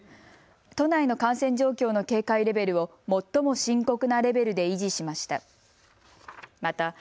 都内の感染状況の警戒レベルを最も深刻なレベルで維持しました。